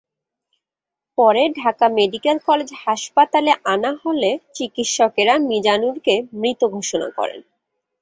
পরে Dhaka medical college হাসপাতালে আনা হলে চিকিৎসকেরা মিজানুরকে মৃত ঘোষণা করেন।